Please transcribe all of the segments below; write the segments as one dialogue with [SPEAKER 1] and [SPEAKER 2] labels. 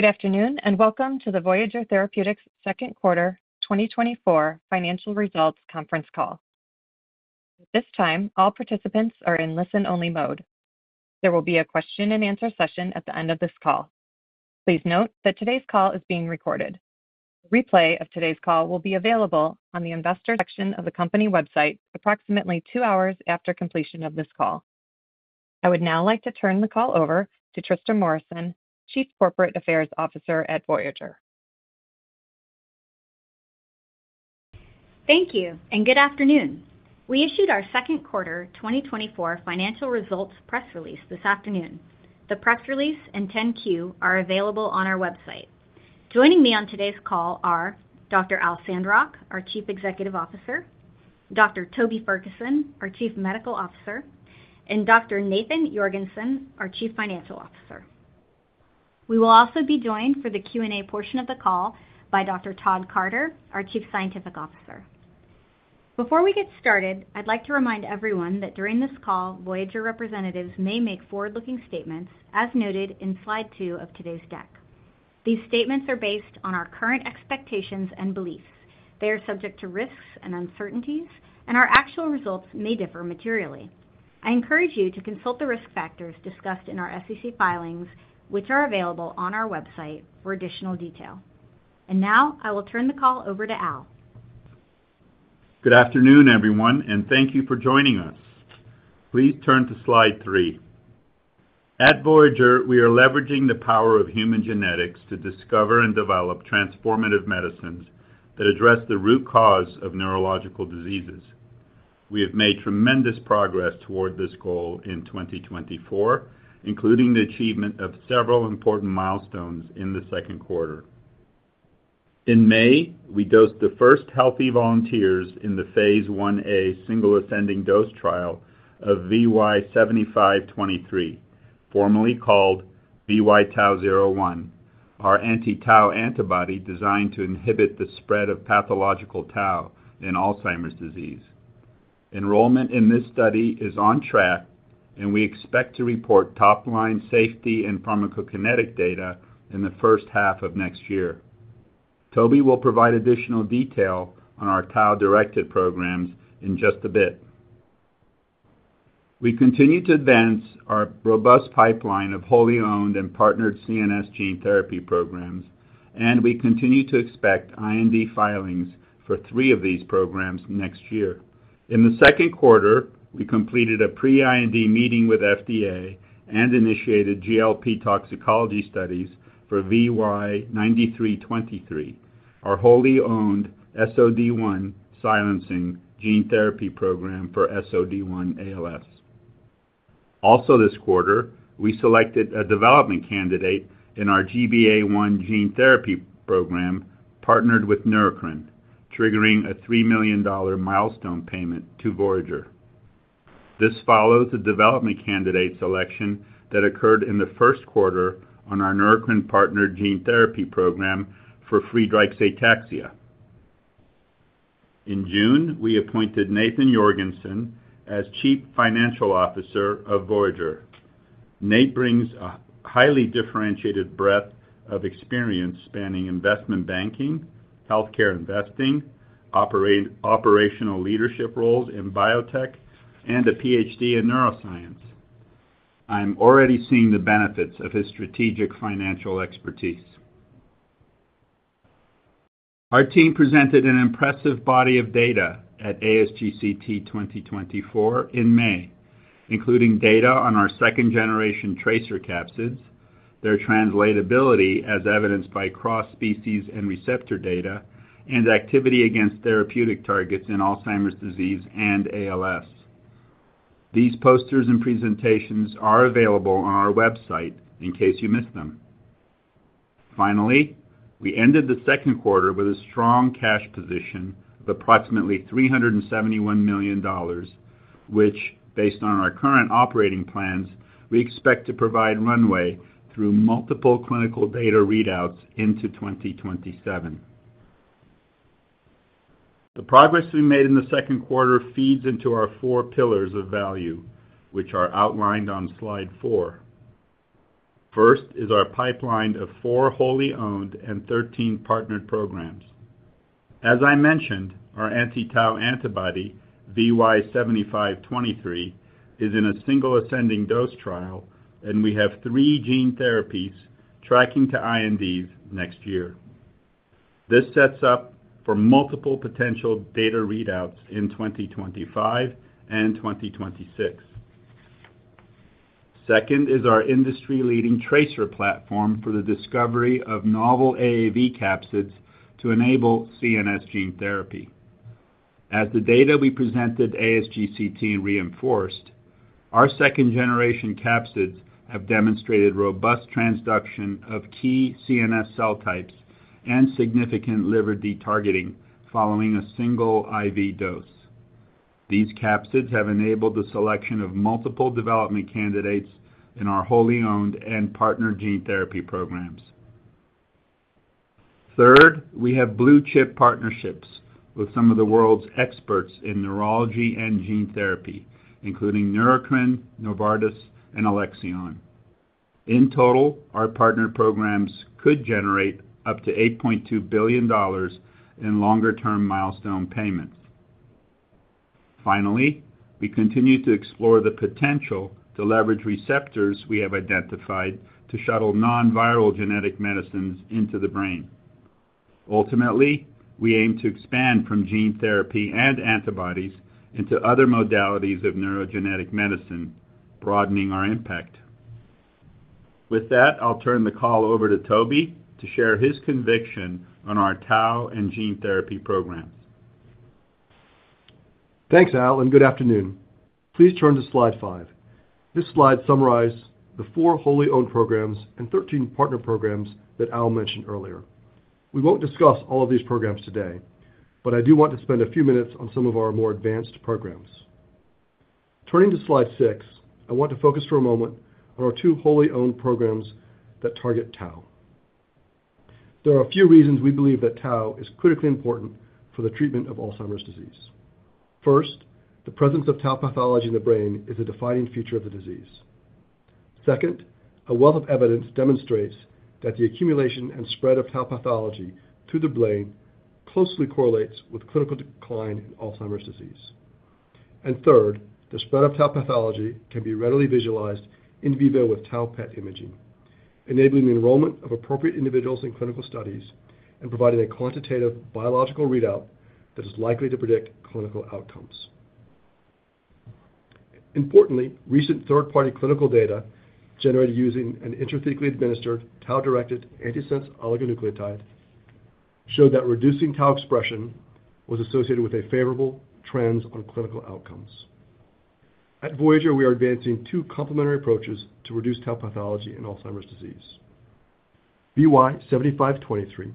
[SPEAKER 1] Good afternoon and welcome to the Voyager Therapeutics second quarter 2024 financial results conference call. At this time, all participants are in listen-only mode. There will be a question-and-answer session at the end of this call. Please note that today's call is being recorded. A replay of today's call will be available on the investor section of the company website approximately two hours after completion of this call. I would now like to turn the call over to Trista Morrison, Chief Corporate Affairs Officer at Voyager.
[SPEAKER 2] Thank you and good afternoon. We issued our second quarter 2024 financial results press release this afternoon. The press release and 10-Q are available on our website. Joining me on today's call are Dr. Al Sandrock, our Chief Executive Officer; Dr. Toby Ferguson, our Chief Medical Officer; and Dr. Nathan Jorgensen, our Chief Financial Officer. We will also be joined for the Q&A portion of the call by Dr. Todd Carter, our Chief Scientific Officer. Before we get started, I'd like to remind everyone that during this call, Voyager representatives may make forward-looking statements as noted in slide two of today's deck. These statements are based on our current expectations and beliefs. They are subject to risks and uncertainties, and our actual results may differ materially. I encourage you to consult the risk factors discussed in our SEC filings, which are available on our website for additional detail. Now I will turn the call over to Al.
[SPEAKER 3] Good afternoon, everyone, and thank you for joining us. Please turn to slide 3. At Voyager, we are leveraging the power of human genetics to discover and develop transformative medicines that address the root cause of neurological diseases. We have made tremendous progress toward this goal in 2024, including the achievement of several important milestones in the second quarter. In May, we dosed the first healthy volunteers in the phase IA single-ascending dose trial of VY7523, formerly called VY-TAU01, our anti-Tau antibody designed to inhibit the spread of pathological Tau in Alzheimer's disease. Enrollment in this study is on track, and we expect to report top-line safety and pharmacokinetic data in the first half of next year. Toby will provide additional detail on our Tau-directed programs in just a bit. We continue to advance our robust pipeline of wholly-owned and partnered CNS gene therapy programs, and we continue to expect IND filings for three of these programs next year. In the second quarter, we completed a pre-IND meeting with FDA and initiated GLP toxicology studies for VY9323, our wholly-owned SOD1 silencing gene therapy program for SOD1 ALS. Also this quarter, we selected a development candidate in our GBA1 gene therapy program partnered with Neurocrine, triggering a $3 million milestone payment to Voyager. This follows the development candidate selection that occurred in the first quarter on our Neurocrine partner gene therapy program for Friedreich's ataxia. In June, we appointed Nathan Jorgensen as Chief Financial Officer of Voyager. Nate brings a highly differentiated breadth of experience spanning investment banking, healthcare investing, operational leadership roles in biotech, and a Ph.D. in neuroscience. I'm already seeing the benefits of his strategic financial expertise. Our team presented an impressive body of data at ASGCT 2024 in May, including data on our second-generation TRACER capsids, their translatability as evidenced by cross-species and receptor data, and activity against therapeutic targets in Alzheimer's disease and ALS. These posters and presentations are available on our website in case you missed them. Finally, we ended the second quarter with a strong cash position of approximately $371 million, which, based on our current operating plans, we expect to provide runway through multiple clinical data readouts into 2027. The progress we made in the second quarter feeds into our four pillars of value, which are outlined on slide four. First is our pipeline of four wholly-owned and 13 partnered programs. As I mentioned, our anti-Tau antibody VY7523 is in a single-ascending dose trial, and we have three gene therapies tracking to INDs next year. This sets up for multiple potential data readouts in 2025 and 2026. Second is our industry-leading TRACER platform for the discovery of novel AAV capsids to enable CNS gene therapy. As the data we presented ASGCT reinforced, our second-generation capsids have demonstrated robust transduction of key CNS cell types and significant liver de-targeting following a single IV dose. These capsids have enabled the selection of multiple development candidates in our wholly-owned and partner gene therapy programs. Third, we have blue-chip partnerships with some of the world's experts in neurology and gene therapy, including Neurocrine, Novartis, and Alexion. In total, our partner programs could generate up to $8.2 billion in longer-term milestone payments. Finally, we continue to explore the potential to leverage receptors we have identified to shuttle non-viral genetic medicines into the brain. Ultimately, we aim to expand from gene therapy and antibodies into other modalities of neurogenetic medicine, broadening our impact. With that, I'll turn the call over to Toby to share his conviction on our Tau and gene therapy programs.
[SPEAKER 4] Thanks, Al, and good afternoon. Please turn to slide five. This slide summarizes the 4 wholly-owned programs and 13 partner programs that Al mentioned earlier. We won't discuss all of these programs today, but I do want to spend a few minutes on some of our more advanced programs. Turning to slide six, I want to focus for a moment on our 2 wholly-owned programs that target Tau. There are a few reasons we believe that Tau is critically important for the treatment of Alzheimer's disease. First, the presence of Tau pathology in the brain is a defining feature of the disease. Second, a wealth of evidence demonstrates that the accumulation and spread of Tau pathology through the brain closely correlates with clinical decline in Alzheimer's disease. And third, the spread of Tau pathology can be readily visualized in vivo with Tau PET imaging, enabling the enrollment of appropriate individuals in clinical studies and providing a quantitative biological readout that is likely to predict clinical outcomes. Importantly, recent third-party clinical data generated using an intrathecally administered Tau-directed antisense oligonucleotide showed that reducing Tau expression was associated with a favorable trend on clinical outcomes. At Voyager, we are advancing two complementary approaches to reduce Tau pathology in Alzheimer's disease. VY7523,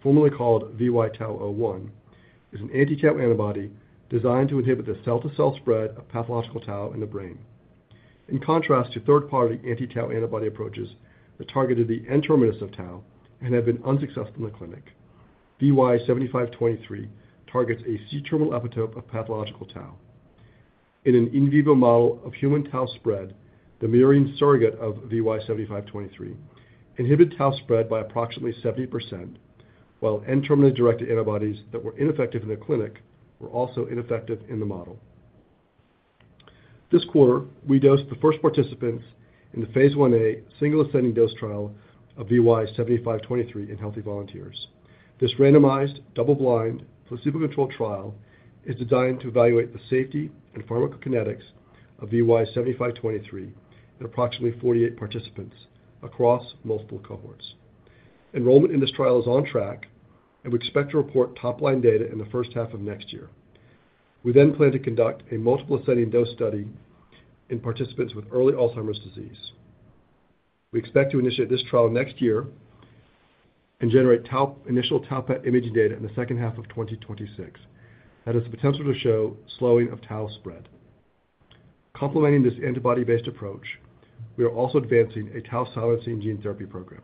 [SPEAKER 4] formerly called VY-TAU01, is an anti-Tau antibody designed to inhibit the cell-to-cell spread of pathological Tau in the brain. In contrast to third-party anti-Tau antibody approaches that targeted the N-terminus of Tau and have been unsuccessful in the clinic, VY7523 targets a C-terminal epitope of pathological Tau. In an in vivo model of human Tau spread, the murine surrogate of VY7523 inhibited Tau spread by approximately 70%, while N-terminus-directed antibodies that were ineffective in the clinic were also ineffective in the model. This quarter, we dosed the first participants in the phase IA single-ascending dose trial of VY7523 in healthy volunteers. This randomized, double-blind, placebo-controlled trial is designed to evaluate the safety and pharmacokinetics of VY7523 in approximately 48 participants across multiple cohorts. Enrollment in this trial is on track, and we expect to report top-line data in the first half of next year. We then plan to conduct a multiple-ascending dose study in participants with early Alzheimer's disease. We expect to initiate this trial next year and generate initial Tau PET imaging data in the second half of 2026. That has the potential to show slowing of Tau spread. Complementing this antibody-based approach, we are also advancing a Tau silencing gene therapy program.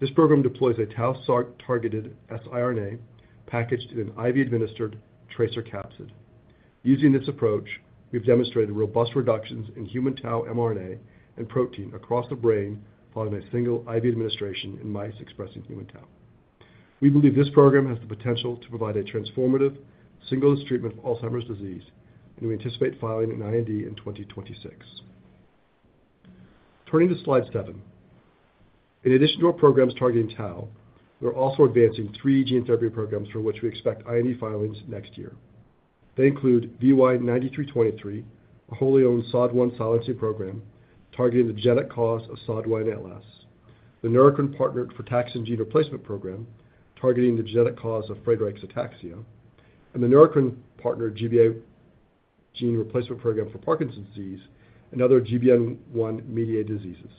[SPEAKER 4] This program deploys a Tau SARC-targeted siRNA packaged in an IV-administered TRACER capsid. Using this approach, we've demonstrated robust reductions in human Tau mRNA and protein across the brain following a single IV administration in mice expressing human Tau. We believe this program has the potential to provide a transformative single-use treatment of Alzheimer's disease, and we anticipate filing an IND in 2026. Turning to slide seven, in addition to our programs targeting Tau, we're also advancing three gene therapy programs for which we expect IND filings next year. They include VY9323, a wholly-owned SOD1 silencing program targeting the genetic cause of SOD1 ALS; the Neurocrine partnered Friedreich's ataxia gene replacement program targeting the genetic cause of Friedreich's ataxia; and the Neurocrine partnered GBA1 gene replacement program for Parkinson's disease and other GBA1 mediated diseases.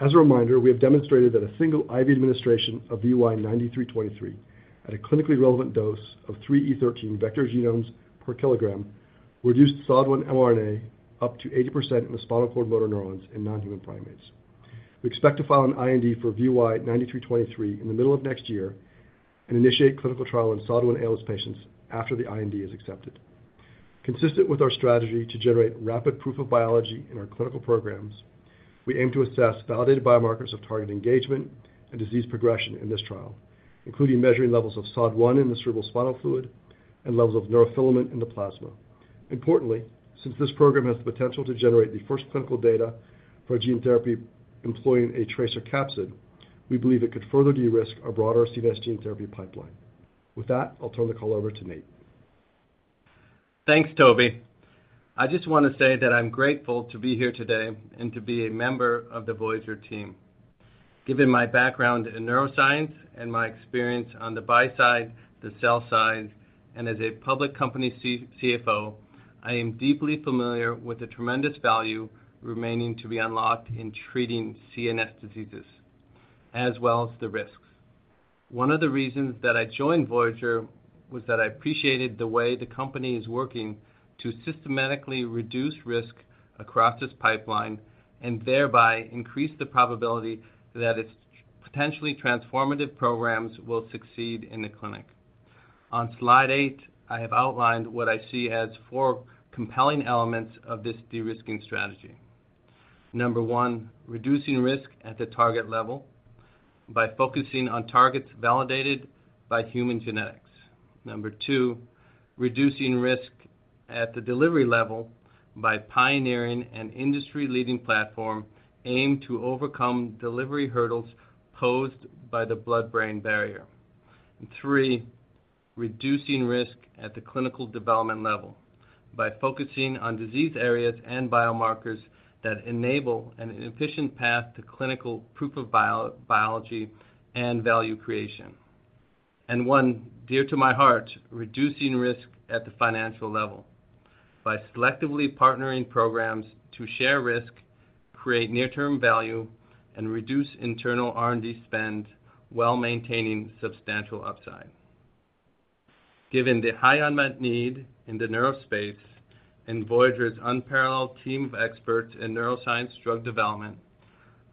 [SPEAKER 4] As a reminder, we have demonstrated that a single IV administration of VY9323 at a clinically relevant dose of 3E13 vector genomes per kilogram reduced SOD1 mRNA up to 80% in the spinal cord motor neurons in non-human primates. We expect to file an IND for VY9323 in the middle of next year and initiate clinical trial in SOD1 ALS patients after the IND is accepted. Consistent with our strategy to generate rapid proof of biology in our clinical programs, we aim to assess validated biomarkers of target engagement and disease progression in this trial, including measuring levels of SOD1 in the cerebrospinal fluid and levels of neurofilament in the plasma. Importantly, since this program has the potential to generate the first clinical data for gene therapy employing a TRACER capsid, we believe it could further de-risk our broader CNS gene therapy pipeline. With that, I'll turn the call over to Nate.
[SPEAKER 5] Thanks, Toby. I just want to say that I'm grateful to be here today and to be a member of the Voyager team. Given my background in neuroscience and my experience on the buy side, the sell side, and as a public company CFO, I am deeply familiar with the tremendous value remaining to be unlocked in treating CNS diseases, as well as the risks. One of the reasons that I joined Voyager was that I appreciated the way the company is working to systematically reduce risk across this pipeline and thereby increase the probability that its potentially transformative programs will succeed in the clinic. On slide eight, I have outlined what I see as four compelling elements of this de-risking strategy. Number 1, reducing risk at the target level by focusing on targets validated by human genetics. Number two, reducing risk at the delivery level by pioneering an industry-leading platform aimed to overcome delivery hurdles posed by the blood-brain barrier. And three, reducing risk at the clinical development level by focusing on disease areas and biomarkers that enable an efficient path to clinical proof of biology and value creation. And one, dear to my heart, reducing risk at the financial level by selectively partnering programs to share risk, create near-term value, and reduce internal R&D spend while maintaining substantial upside. Given the high unmet need in the neuro space and Voyager's unparalleled team of experts in neuroscience drug development,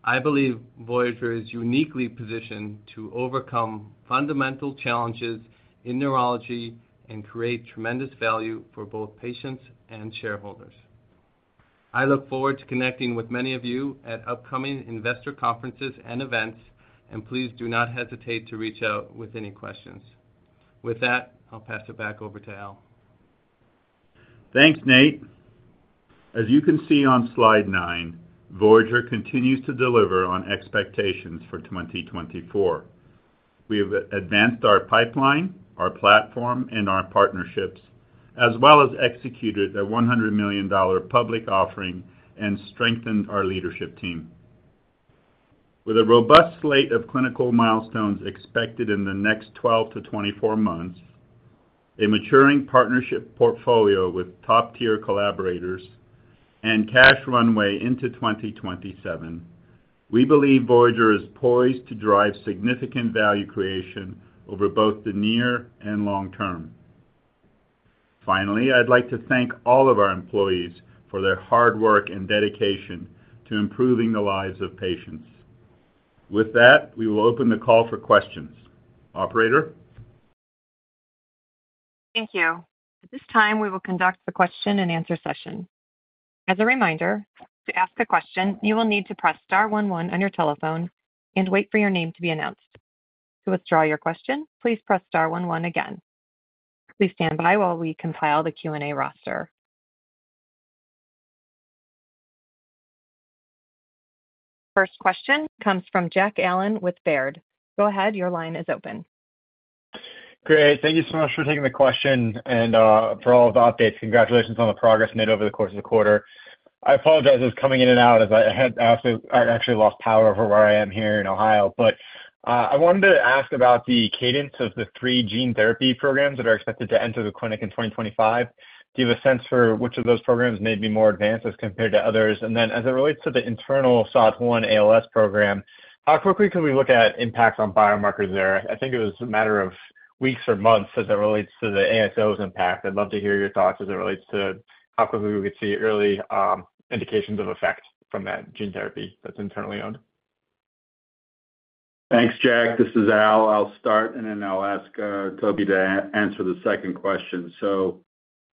[SPEAKER 5] I believe Voyager is uniquely positioned to overcome fundamental challenges in neurology and create tremendous value for both patients and shareholders. I look forward to connecting with many of you at upcoming investor conferences and events, and please do not hesitate to reach out with any questions. With that, I'll pass it back over to Al.
[SPEAKER 3] Thanks, Nate. As you can see on slide nine, Voyager continues to deliver on expectations for 2024. We have advanced our pipeline, our platform, and our partnerships, as well as executed a $100 million public offering and strengthened our leadership team. With a robust slate of clinical milestones expected in the next 12-24 months, a maturing partnership portfolio with top-tier collaborators, and cash runway into 2027, we believe Voyager is poised to drive significant value creation over both the near and long term. Finally, I'd like to thank all of our employees for their hard work and dedication to improving the lives of patients. With that, we will open the call for questions. Operator.
[SPEAKER 1] Thank you. At this time, we will conduct the question and answer session. As a reminder, to ask a question, you will need to press star one one on your telephone and wait for your name to be announced. To withdraw your question, please press star one one again. Please stand by while we compile the Q&A roster. Our first question comes from Jack Allen with Baird. Go ahead. Your line is open.
[SPEAKER 6] Great. Thank you so much for taking the question and for all of the updates. Congratulations on the progress made over the course of the quarter. I apologize for coming in and out as I had actually lost power for where I am here in Ohio. But I wanted to ask about the cadence of the 3 gene therapy programs that are expected to enter the clinic in 2025. Do you have a sense for which of those programs may be more advanced as compared to others? And then, as it relates to the internal SOD1 ALS program, how quickly can we look at impacts on biomarkers there? I think it was a matter of weeks or months as it relates to the ASO's impact. I'd love to hear your thoughts as it relates to how quickly we could see early indications of effect from that gene therapy that's internally owned.
[SPEAKER 3] Thanks, Jack. This is Al. I'll start, and then I'll ask Toby to answer the second question. So,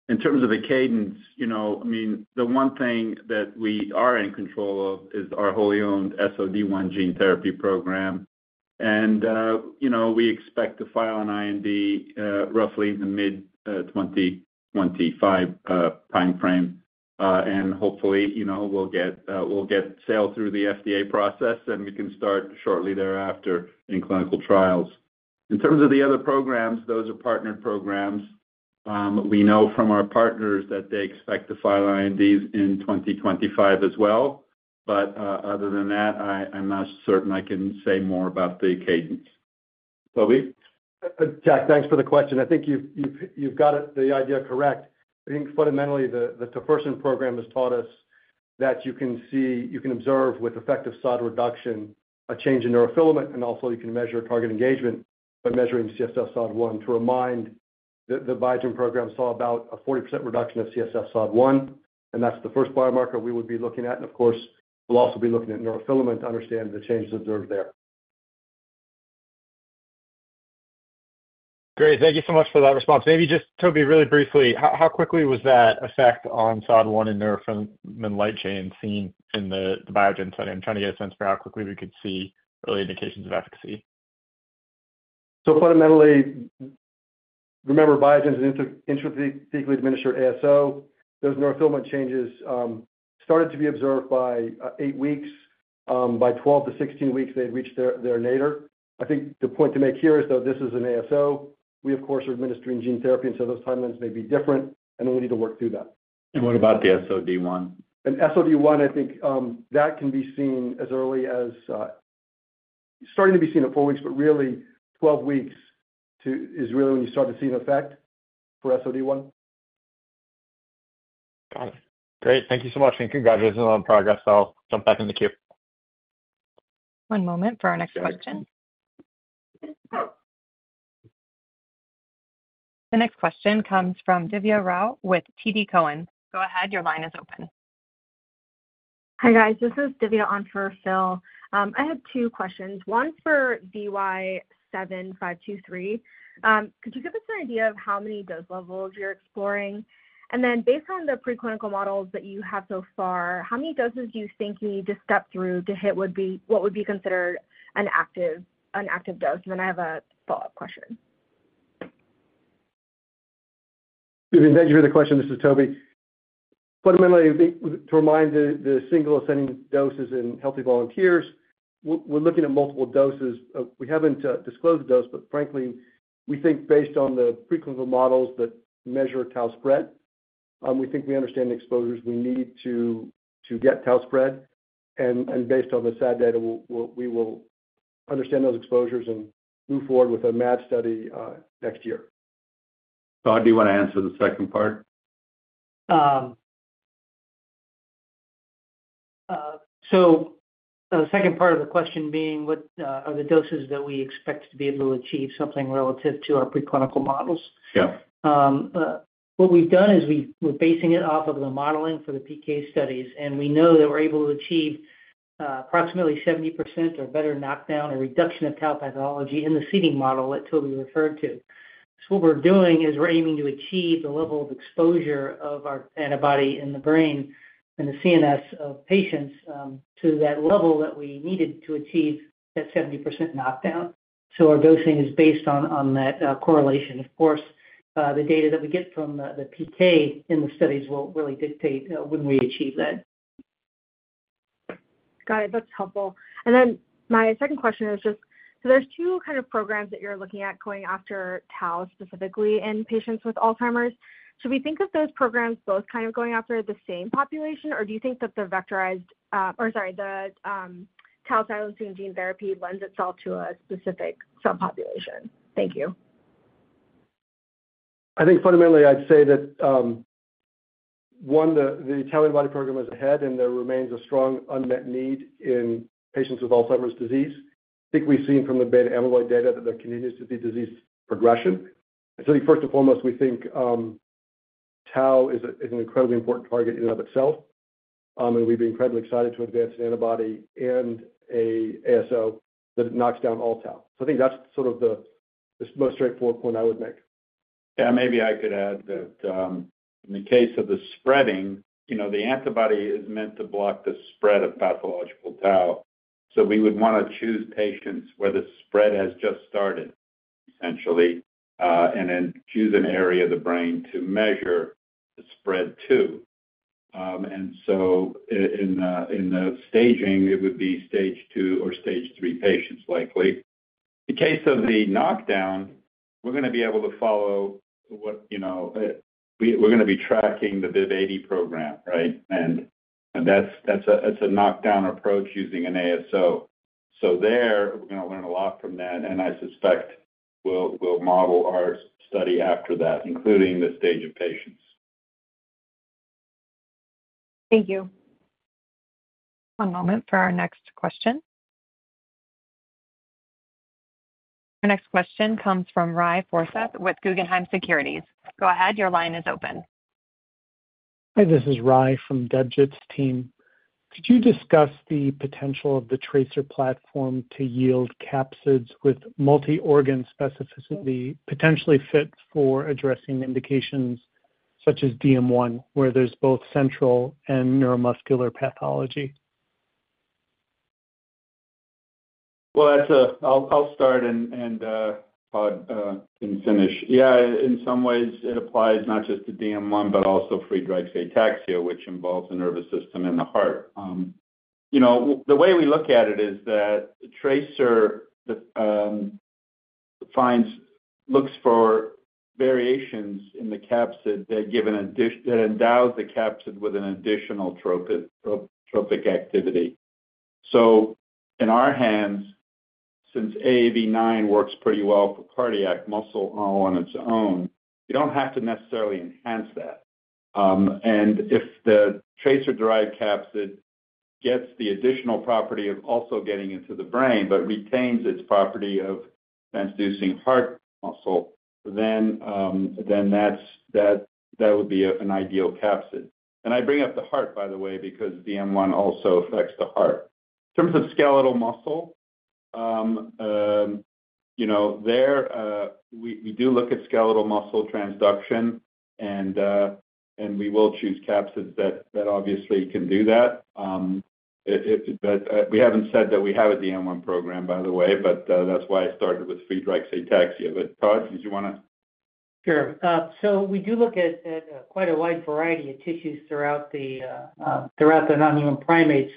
[SPEAKER 3] in terms of the cadence, I mean, the one thing that we are in control of is our wholly-owned SOD1 gene therapy program. And we expect to file an IND roughly in the mid-2025 timeframe. And hopefully, we'll get sail through the FDA process, and we can start shortly thereafter in clinical trials. In terms of the other programs, those are partnered programs. We know from our partners that they expect to file INDs in 2025 as well. But other than that, I'm not certain I can say more about the cadence. Toby?
[SPEAKER 4] Jack, thanks for the question. I think you've got the idea correct. I think fundamentally, the Tofersen program has taught us that you can see, you can observe with effective SOD reduction a change in neurofilament, and also you can measure target engagement by measuring CSF SOD1 to remind that the Biogen program saw about a 40% reduction of CSF SOD1. That's the first biomarker we would be looking at. Of course, we'll also be looking at neurofilament to understand the changes observed there.
[SPEAKER 6] Great. Thank you so much for that response. Maybe just, Toby, really briefly, how quickly was that effect on SOD1 and neurofilament light chain seen in the Biogen study? I'm trying to get a sense for how quickly we could see early indications of efficacy.
[SPEAKER 4] So fundamentally, remember, Biogen's an intrathecally administered ASO. Those neurofilament changes started to be observed by 8 weeks. By 12-16 weeks, they had reached their nadir. I think the point to make here is, though, this is an ASO. We, of course, are administering gene therapy, and so those timelines may be different. And then we need to work through that.
[SPEAKER 6] What about the SOD1?
[SPEAKER 4] SOD1, I think that can be seen as early as starting to be seen at 4 weeks, but really 12 weeks is really when you start to see an effect for SOD1.
[SPEAKER 6] Got it. Great. Thank you so much. And congratulations on the progress. I'll jump back in the queue.
[SPEAKER 1] One moment for our next question. The next question comes from Divya Rao with TD Cowen. Go ahead. Your line is open.
[SPEAKER 7] Hi guys. This is Divya on for Phil. I have two questions. One for VY7523. Could you give us an idea of how many dose levels you're exploring? And then, based on the preclinical models that you have so far, how many doses do you think you need to step through to hit what would be considered an active dose? And then I have a follow-up question.
[SPEAKER 4] Divya, thank you for the question. This is Toby. Fundamentally, to remind the single-ascending doses in healthy volunteers, we're looking at multiple doses. We haven't disclosed the dose, but frankly, we think based on the preclinical models that measure Tau spread, we think we understand the exposures we need to get Tau spread. Based on the SAD data, we will understand those exposures and move forward with a MAD study next year.
[SPEAKER 3] Todd, do you want to answer the second part?
[SPEAKER 8] The second part of the question being, what are the doses that we expect to be able to achieve something relative to our preclinical models?
[SPEAKER 3] Yeah.
[SPEAKER 8] What we've done is we're basing it off of the modeling for the PK studies, and we know that we're able to achieve approximately 70% or better knockdown or reduction of Tau pathology in the seeding model that Toby referred to. So what we're doing is we're aiming to achieve the level of exposure of our antibody in the brain and the CNS of patients to that level that we needed to achieve that 70% knockdown. So our dosing is based on that correlation. Of course, the data that we get from the PK in the studies will really dictate when we achieve that.
[SPEAKER 7] Got it. That's helpful. And then my second question is just, so there's two kind of programs that you're looking at going after Tau specifically in patients with Alzheimer's. Should we think of those programs both kind of going after the same population, or do you think that the vectorized—or sorry, the Tau silencing gene therapy lends itself to a specific subpopulation? Thank you.
[SPEAKER 4] I think fundamentally, I'd say that, one, the antibody program is ahead, and there remains a strong unmet need in patients with Alzheimer's disease. I think we've seen from the beta-amyloid data that there continues to be disease progression. So I think first and foremost, we think Tau is an incredibly important target in and of itself. And we'd be incredibly excited to advance an antibody and an ASO that knocks down all Tau. So I think that's sort of the most straightforward point I would make.
[SPEAKER 3] Yeah. Maybe I could add that in the case of the spreading, the antibody is meant to block the spread of pathological Tau. So we would want to choose patients where the spread has just started, essentially, and then choose an area of the brain to measure the spread to. And so in the staging, it would be stage two or stage three patients likely. In the case of the knockdown, we're going to be able to follow what we're going to be tracking the BIIB080 program, right? And that's a knockdown approach using an ASO. So there, we're going to learn a lot from that. And I suspect we'll model our study after that, including the stage of patients.
[SPEAKER 7] Thank you.
[SPEAKER 1] One moment for our next question. Our next question comes from Ry Forseth with Guggenheim Securities. Go ahead. Your line is open.
[SPEAKER 9] Hi. This is Ry from Debjit's team. Could you discuss the potential of the TRACER platform to yield capsids with multi-organ specificity potentially fit for addressing indications such as DM1, where there's both central and neuromuscular pathology?
[SPEAKER 2] Well, I'll start, and Todd can finish. Yeah. In some ways, it applies not just to DM1, but also Friedreich's ataxia, which involves the nervous system and the heart. The way we look at it is that TRACER looks for variations in the capsid that endows the capsid with an additional tropism activity. So in our hands, since AAV9 works pretty well for cardiac muscle all on its own, you don't have to necessarily enhance that. And if the TRACER-derived capsid gets the additional property of also getting into the brain but retains its property of transducing heart muscle, then that would be an ideal capsid. And I bring up the heart, by the way, because DM1 also affects the heart. In terms of skeletal muscle, we do look at skeletal muscle transduction, and we will choose capsids that obviously can do that. But we haven't said that we have a DM1 program, by the way, but that's why I started with Friedreich's ataxia. But Todd, did you want to?
[SPEAKER 8] Sure. So we do look at quite a wide variety of tissues throughout the nonhuman primates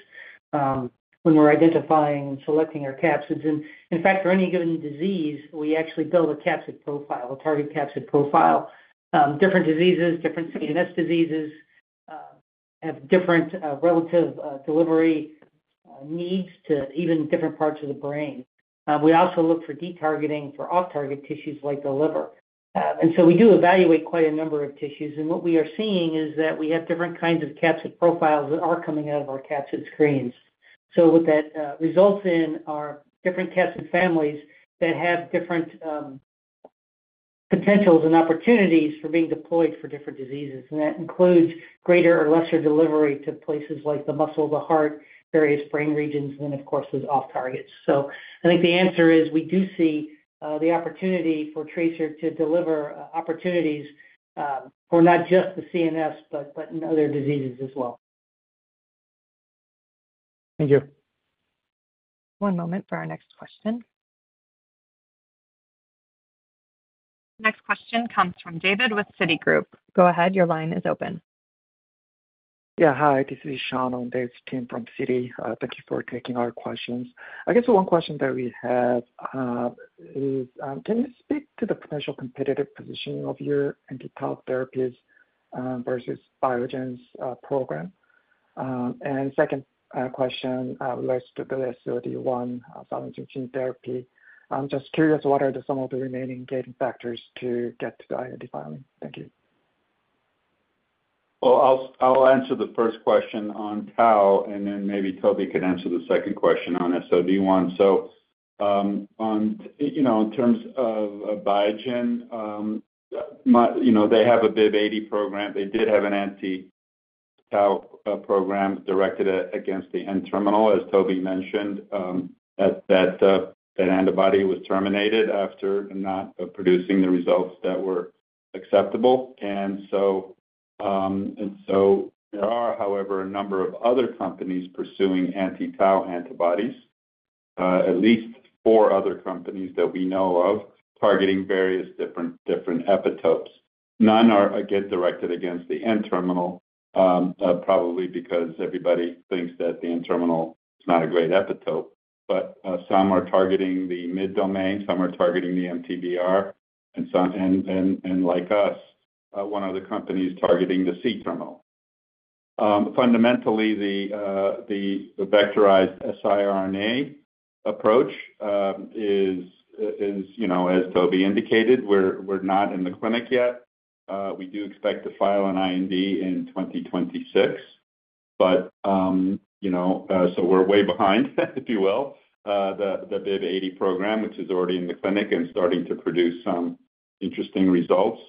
[SPEAKER 8] when we're identifying and selecting our capsids. In fact, for any given disease, we actually build a capsid profile, a target capsid profile. Different diseases, different CNS diseases have different relative delivery needs to even different parts of the brain. We also look for detargeting for off-target tissues like the liver. So we do evaluate quite a number of tissues. What we are seeing is that we have different kinds of capsid profiles that are coming out of our capsid screens. So what that results in are different capsid families that have different potentials and opportunities for being deployed for different diseases. That includes greater or lesser delivery to places like the muscle, the heart, various brain regions, and then, of course, those off-targets. So I think the answer is we do see the opportunity for TRACER to deliver opportunities for not just the CNS, but in other diseases as well.
[SPEAKER 9] Thank you.
[SPEAKER 1] One moment for our next question. Next question comes from David with Citigroup. Go ahead. Your line is open.
[SPEAKER 10] Yeah. Hi. This is Sean on David's team from Citigroup. Thank you for taking our questions. I guess one question that we have is, can you speak to the potential competitive positioning of your anti-Tau therapies versus Biogen's program? And second question relates to the SOD1 silencing gene therapy. I'm just curious, what are some of the remaining gating factors to get to the IND filing? Thank you.
[SPEAKER 3] Well, I'll answer the first question on Tau, and then maybe Toby can answer the second question on SOD1. So in terms of Biogen, they have a BIIB080 program. They did have an anti-Tau program directed against the N-terminal, as Toby mentioned, that antibody was terminated after not producing the results that were acceptable. And so there are, however, a number of other companies pursuing anti-Tau antibodies, at least four other companies that we know of, targeting various different epitopes. None are again directed against the N-terminal, probably because everybody thinks that the N-terminal is not a great epitope. But some are targeting the mid-domain. Some are targeting the MTBR. And like us, one of the companies is targeting the C-terminal. Fundamentally, the vectorized siRNA approach is, as Toby indicated, we're not in the clinic yet. We do expect to file an IND in 2026. But so we're way behind, if you will, the BIIB080 program, which is already in the clinic and starting to produce some interesting results.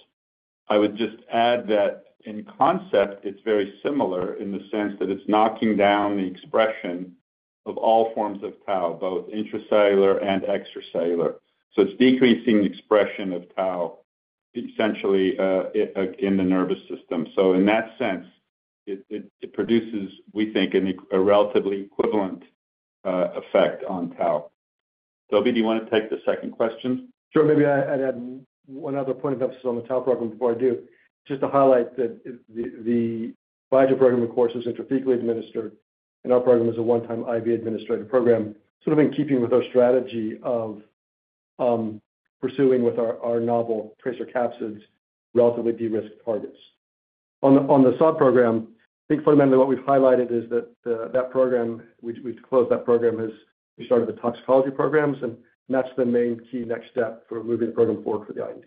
[SPEAKER 3] I would just add that in concept, it's very similar in the sense that it's knocking down the expression of all forms of Tau, both intracellular and extracellular. So it's decreasing the expression of Tau, essentially, in the nervous system. So in that sense, it produces, we think, a relatively equivalent effect on Tau. Toby, do you want to take the second question?
[SPEAKER 4] Sure. Maybe I'd add one other point of emphasis on the Tau program before I do. Just to highlight that the Biogen program, of course, is intrathecal, weekly administered. And our program is a one-time IV-administered program, sort of in keeping with our strategy of pursuing with our novel TRACER capsids relatively de-risked targets. On the SOD program, I think fundamentally what we've highlighted is that that program, we've closed that program as we started the toxicology programs. And that's the main key next step for moving the program forward for the IND.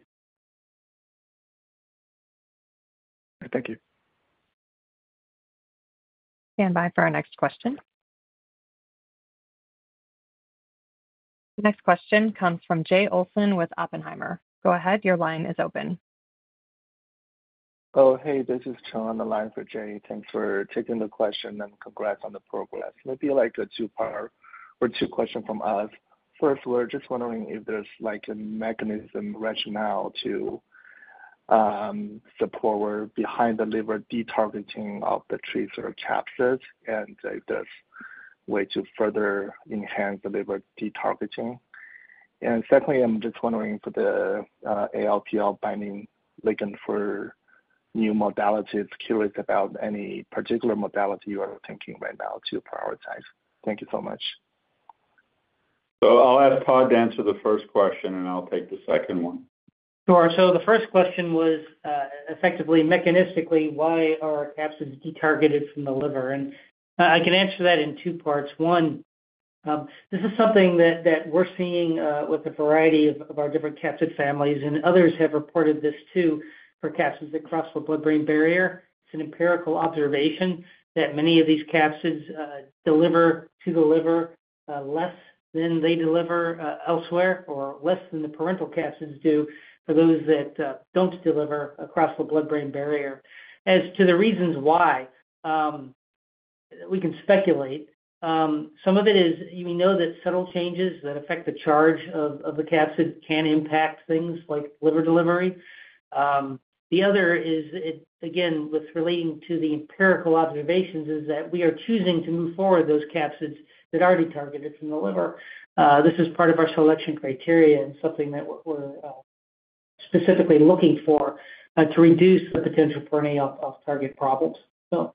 [SPEAKER 10] Thank you.
[SPEAKER 1] Stand by for our next question. The next question comes from Jay Olson with Oppenheimer. Go ahead. Your line is open.
[SPEAKER 11] Oh, hey. This is Sean on the line for Jay. Thanks for taking the question and congrats on the progress. Maybe like a two-part or two questions from us. First, we're just wondering if there's like a mechanism, rationale to support we're behind the liver detargeting of the TRACER capsids and if there's a way to further enhance the liver detargeting. And secondly, I'm just wondering for the ALPL binding ligand for new modalities, curious about any particular modality you are thinking right now to prioritize. Thank you so much.
[SPEAKER 4] I'll ask Todd to answer the first question, and I'll take the second one.
[SPEAKER 8] Sure. So the first question was effectively mechanistically, why are capsids detargeted from the liver? I can answer that in two parts. One, this is something that we're seeing with a variety of our different capsid families. Others have reported this too for capsids that cross the blood-brain barrier. It's an empirical observation that many of these capsids deliver to the liver less than they deliver elsewhere or less than the parental capsids do for those that don't deliver across the blood-brain barrier. As to the reasons why, we can speculate. Some of it is we know that subtle changes that affect the charge of the capsid can impact things like liver delivery. The other is, again, with relating to the empirical observations is that we are choosing to move forward those capsids that are detargeted from the liver. This is part of our selection criteria and something that we're specifically looking for to reduce the potential for any off-target problems. So.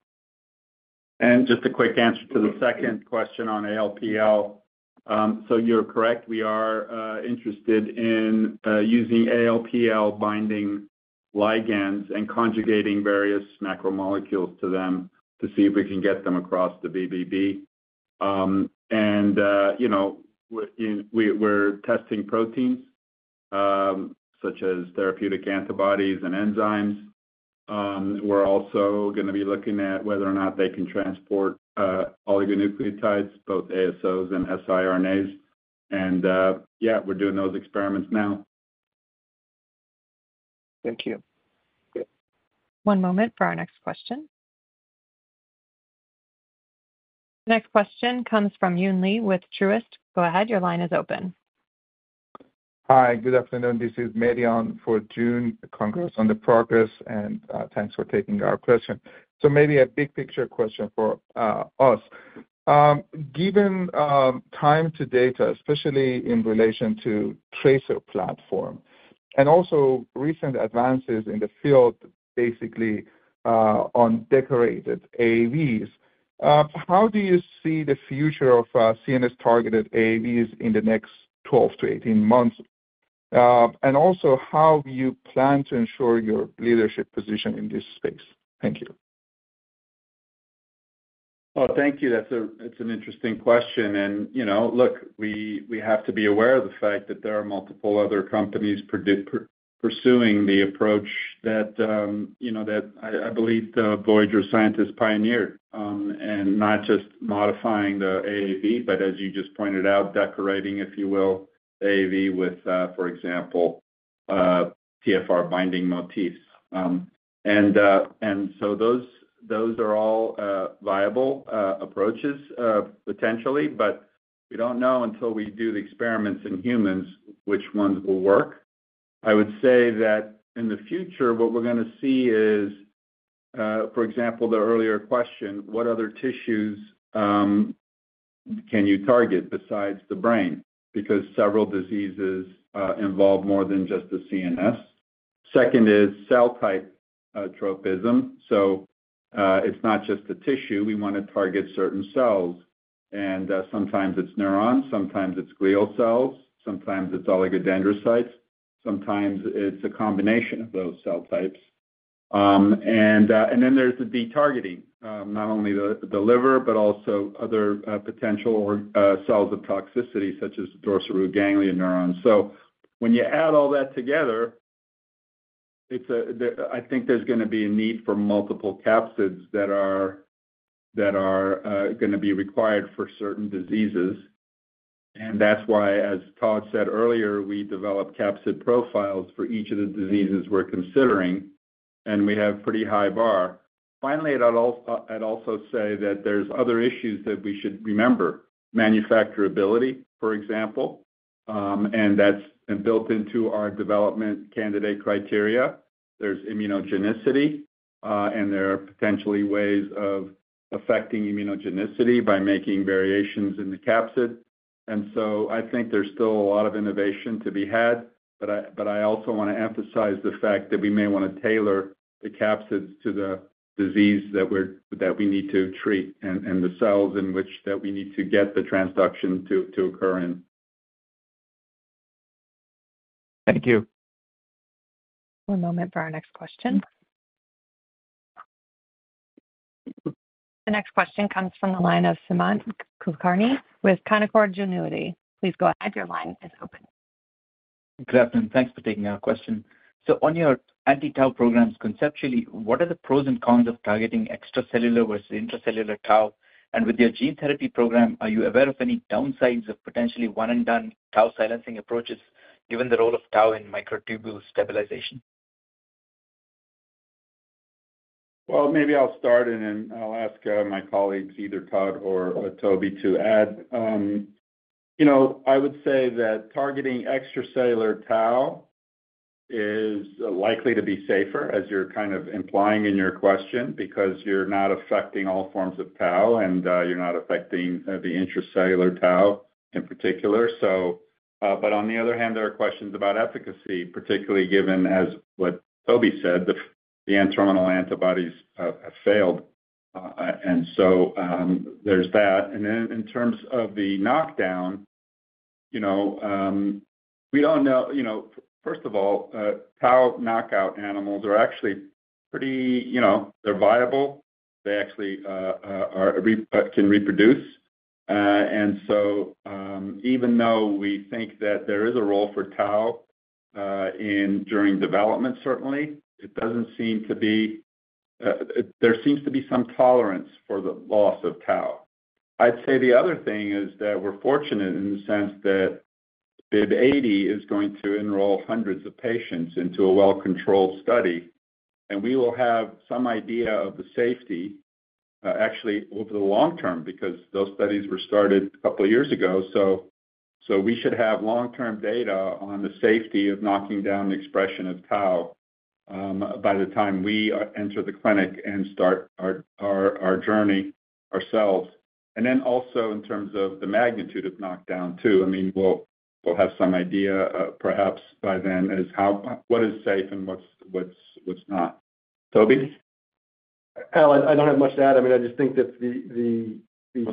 [SPEAKER 4] Just a quick answer to the second question on ALPL. You're correct. We are interested in using ALPL binding ligands and conjugating various macromolecules to them to see if we can get them across the BBB. We're testing proteins such as therapeutic antibodies and enzymes. We're also going to be looking at whether or not they can transport oligonucleotides, both ASOs and siRNAs. Yeah, we're doing those experiments now.
[SPEAKER 10] Thank you.
[SPEAKER 1] One moment for our next question. The next question comes from Joon Lee with Truist. Go ahead. Your line is open.
[SPEAKER 12] Hi. Good afternoon. This is Marion covering for Joon Lee. Thanks for taking our question. Maybe a big picture question for us. Given time to data, especially in relation to TRACER platform and also recent advances in the field, basically on decorated AAVs, how do you see the future of CNS-targeted AAVs in the next 12 to 18 months? And also, how do you plan to ensure your leadership position in this space? Thank you.
[SPEAKER 4] Well, thank you. That's an interesting question. And look, we have to be aware of the fact that there are multiple other companies pursuing the approach that I believe the Voyager scientists pioneered, and not just modifying the AAV, but as you just pointed out, decorating, if you will, AAV with, for example, TFR binding motifs. And so those are all viable approaches, potentially. But we don't know until we do the experiments in humans which ones will work. I would say that in the future, what we're going to see is, for example, the earlier question, what other tissues can you target besides the brain? Because several diseases involve more than just the CNS. Second is cell-type tropism. So it's not just a tissue. We want to target certain cells. And sometimes it's neurons. Sometimes it's glial cells. Sometimes it's oligodendrocytes. Sometimes it's a combination of those cell types. Then there's the detargeting, not only the liver, but also other potential cells of toxicity such as dorsal root ganglion neurons. So when you add all that together, I think there's going to be a need for multiple capsids that are going to be required for certain diseases. That's why, as Todd said earlier, we develop capsid profiles for each of the diseases we're considering. We have a pretty high bar. Finally, I'd also say that there's other issues that we should remember: manufacturability, for example. That's built into our development candidate criteria. There's immunogenicity. There are potentially ways of affecting immunogenicity by making variations in the capsid. So I think there's still a lot of innovation to be had. But I also want to emphasize the fact that we may want to tailor the capsids to the disease that we need to treat and the cells in which that we need to get the transduction to occur in. Thank you.
[SPEAKER 1] One moment for our next question. The next question comes from the line of Sumant Kulkarni with Canaccord Genuity. Please go ahead. Your line is open.
[SPEAKER 13] Good afternoon. Thanks for taking our question. So on your anti-Tau programs, conceptually, what are the pros and cons of targeting extracellular versus intracellular Tau? And with your gene therapy program, are you aware of any downsides of potentially one-and-done Tau silencing approaches given the role of Tau in microtubule stabilization?
[SPEAKER 3] Well, maybe I'll start and then I'll ask my colleagues, either Todd or Toby, to add. I would say that targeting extracellular Tau is likely to be safer, as you're kind of implying in your question, because you're not affecting all forms of Tau. And you're not affecting the intracellular Tau in particular. But on the other hand, there are questions about efficacy, particularly given, as what Toby said, the N-terminal antibodies have failed. And so there's that. And then in terms of the knockdown, we don't know. First of all, Tau knockout animals are actually pretty—they're viable. They actually can reproduce. And so even though we think that there is a role for Tau during development, certainly, it doesn't seem to be—there seems to be some tolerance for the loss of Tau. I'd say the other thing is that we're fortunate in the sense that BIIB080 is going to enroll hundreds of patients into a well-controlled study. And we will have some idea of the safety, actually, over the long term, because those studies were started a couple of years ago. So we should have long-term data on the safety of knocking down the expression of Tau by the time we enter the clinic and start our journey ourselves. And then also in terms of the magnitude of knockdown too. I mean, we'll have some idea, perhaps, by then as what is safe and what's not. Toby?
[SPEAKER 4] Alan, I don't have much to add. I mean, I just think that the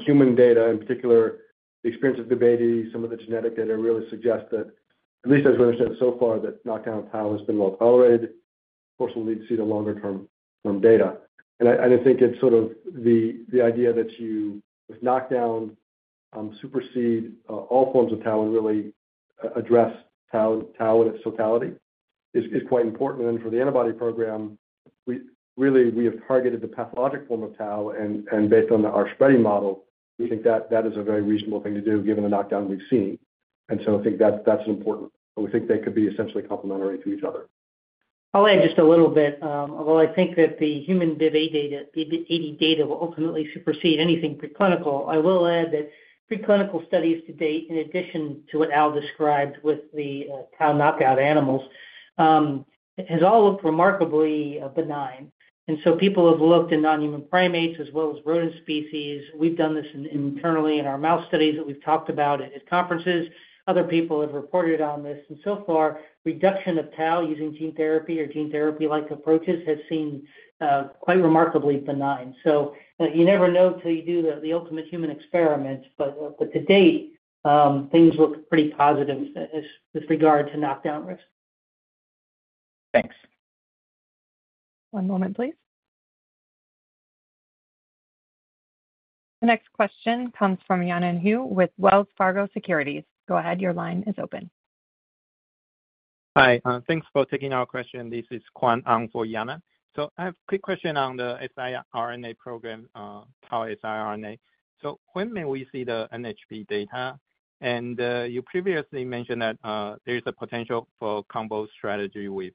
[SPEAKER 4] human data, in particular, the experience of BIIB080, some of the genetic data really suggest that, at least as we understand it so far, that knockdown of Tau has been well tolerated. Of course, we'll need to see the longer-term data. I think it's sort of the idea that you, with knockdown, supersede all forms of Tau and really address Tau in its totality is quite important. And then for the antibody program, really, we have targeted the pathologic form of Tau. And based on our spreading model, we think that is a very reasonable thing to do given the knockdown we've seen. And so I think that's an important, we think they could be essentially complementary to each other.
[SPEAKER 8] I'll add just a little bit. Although I think that the human BIIB080 data will ultimately supersede anything preclinical, I will add that preclinical studies to date, in addition to what Al described with the Tau knockout animals, have all looked remarkably benign. And so people have looked in non-human primates as well as rodent species. We've done this internally in our mouse studies that we've talked about at conferences. Other people have reported on this. And so far, reduction of Tau using gene therapy or gene therapy-like approaches has seemed quite remarkably benign. So you never know till you do the ultimate human experiment. But to date, things look pretty positive with regard to knockdown risk.
[SPEAKER 13] Thanks.
[SPEAKER 1] One moment, please. The next question comes from Yanan Zhu with Wells Fargo Securities. Go ahead. Your line is open.
[SPEAKER 14] Hi. Thanks for taking our question. This is Kuan-Hung for Yanan. So I have a quick question on the siRNA program, Tau siRNA. So when may we see the NHP data? And you previously mentioned that there is a potential for combo strategy with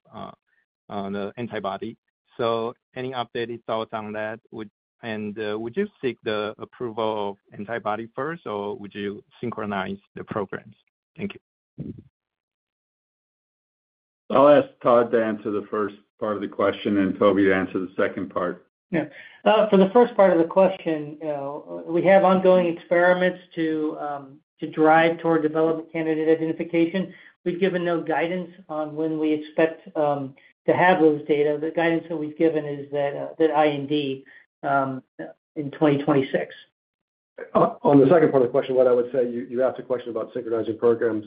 [SPEAKER 14] the antibody. So any updated thoughts on that? And would you seek the approval of antibody first, or would you synchronize the programs? Thank you.
[SPEAKER 3] I'll ask Todd to answer the first part of the question and Toby to answer the second part.
[SPEAKER 8] Yeah. For the first part of the question, we have ongoing experiments to drive toward development candidate identification. We've given no guidance on when we expect to have those data. The guidance that we've given is that IND in 2026.
[SPEAKER 4] On the second part of the question, what I would say, you asked a question about synchronizing programs.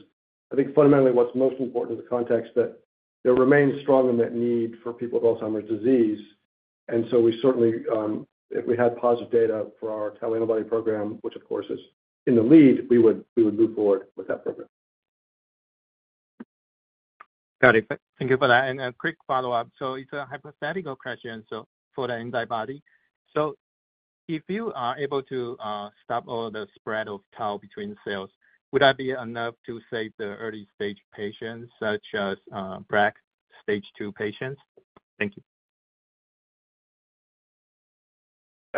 [SPEAKER 4] I think fundamentally, what's most important is the context that there remains strong in that need for people with Alzheimer's disease. And so we certainly, if we had positive data for our Tau antibody program, which of course is in the lead, we would move forward with that program.
[SPEAKER 14] Got it. Thank you for that. And a quick follow-up. So it's a hypothetical question for the antibody. So if you are able to stop all the spread of Tau between cells, would that be enough to save the early-stage patients such as Braak stage 2 patients? Thank you.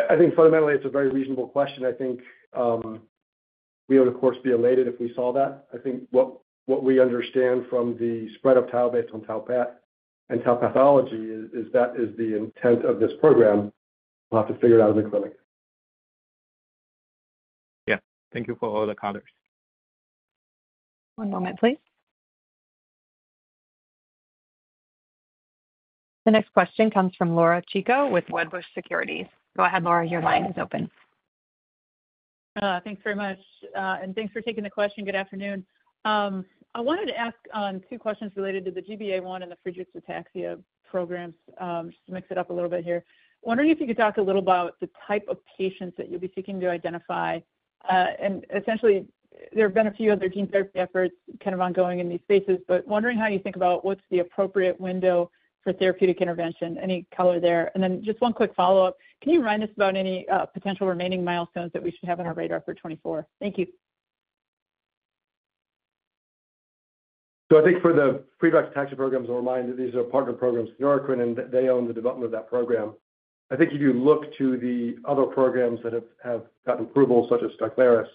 [SPEAKER 4] I think fundamentally, it's a very reasonable question. I think we would, of course, be elated if we saw that. I think what we understand from the spread of Tau based on Tau path and Tau pathology is that is the intent of this program. We'll have to figure it out in the clinic.
[SPEAKER 5] Yeah. Thank you for all the colors.
[SPEAKER 1] One moment, please. The next question comes from Laura Chico with Wedbush Securities. Go ahead, Laura. Your line is open.
[SPEAKER 15] Thanks very much. And thanks for taking the question. Good afternoon. I wanted to ask two questions related to the GBA1 and the Friedreich's ataxia programs, just to mix it up a little bit here. Wondering if you could talk a little about the type of patients that you'll be seeking to identify. And essentially, there have been a few other gene therapy efforts kind of ongoing in these spaces. But wondering how you think about what's the appropriate window for therapeutic intervention. Any color there? And then just one quick follow-up. Can you remind us about any potential remaining milestones that we should have on our radar for 2024? Thank you.
[SPEAKER 4] So I think for the Friedreich's ataxia programs, I'll remind you that these are partner programs with Neurocrine, and they own the development of that program. I think if you look to the other programs that have gotten approval, such as SKYCLARYS,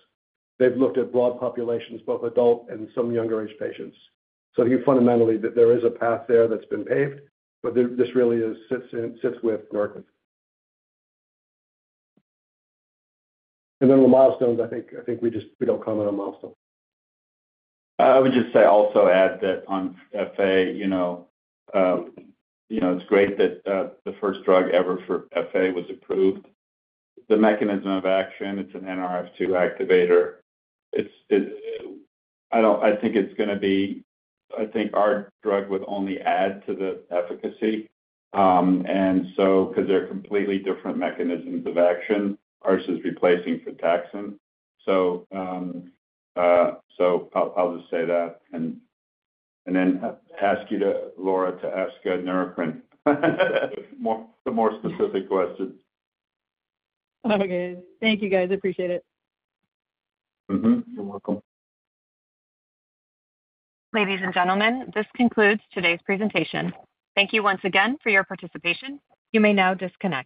[SPEAKER 4] they've looked at broad populations, both adult and some younger-aged patients. So I think fundamentally that there is a path there that's been paved. But this really sits with Neurocrine. And then on the milestones, I think we don't comment on milestones.
[SPEAKER 3] I would just say also add that on FA, it's great that the first drug ever for FA was approved. The mechanism of action, it's an NRF2 activator. I think it's going to be, I think, our drug would only add to the efficacy. And so because they're completely different mechanisms of action, ours is replacing frataxin. So I'll just say that. And then ask you, Laura, to ask Neurocrine the more specific questions.
[SPEAKER 15] Okay. Thank you, guys. Appreciate it.
[SPEAKER 4] You're welcome.
[SPEAKER 1] Ladies and gentlemen, this concludes today's presentation. Thank you once again for your participation. You may now disconnect.